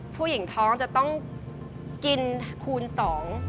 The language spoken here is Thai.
ผู้หญิงท้องจะต้องกินคูณสอง